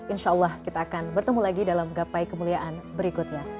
insya allah kita akan bertemu lagi dalam gapai kemuliaan berikutnya